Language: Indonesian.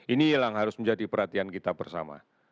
ini yang harus menjadi perhatian kita bersama